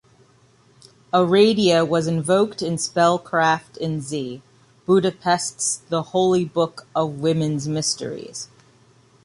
Aradia was invoked in spellcraft in Z. Budapest's "The Holy Book of Women's Mysteries".